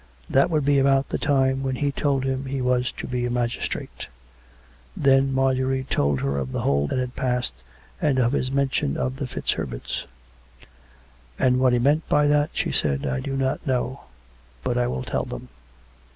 That would be about the time when he told him he was to be a magistrate." Then Marjorie told her of the whole that had passed, and of his mention of the FitzHerbertsr. " And what he meant by that," she said, " I do not know ; but I will tell them."